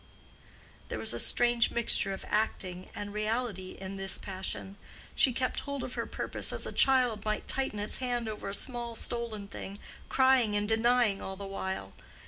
There was a strange mixture of acting and reality in this passion. She kept hold of her purpose as a child might tighten its hand over a small stolen thing, crying and denying all the while.